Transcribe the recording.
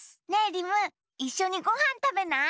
リムいっしょにごはんたべない？